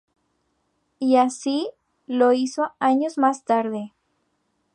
Y así lo hizo años más tarde.